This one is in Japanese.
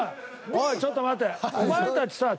おいちょっと待て。